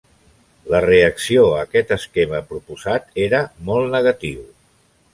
La reacció a aquest esquema proposat era molt negatiu.